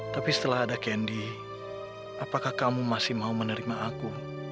tapi setelah ada kendi apakah kamu masih mau menerima aku